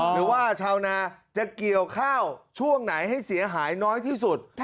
หรือว่าชาวนาจะเกี่ยวข้าวช่วงไหนให้เสียหายน้อยที่สุด